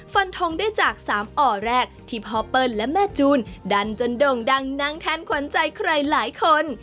ฟันทงได้จากสามอ่อแรกที่พ่อเปิ้ลและแม่จูนดันจนโด่งดังนางแทนขวัญใจใครหลายคน